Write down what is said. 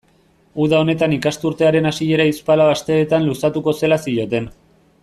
Uda honetan ikasturtearen hasiera hiruzpalau asteetan luzatuko zela zioten.